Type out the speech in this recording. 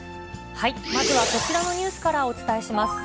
まずはこちらのニュースからお伝えします。